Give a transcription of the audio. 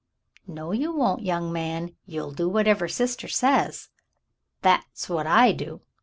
"No, you won't, young man. You'll do whatever sister says. That's what I do."